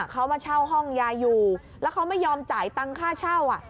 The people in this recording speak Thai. เขามาเช่าห้องยายอยู่แล้วเขาไม่ยอมจ่ายตังค่าเช่า